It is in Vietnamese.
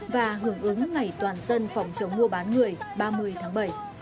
và hưởng ứng ngày toàn dân phòng chống mua bán người ba mươi tháng bảy